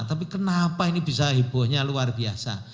tapi kenapa ini bisa hebohnya luar biasa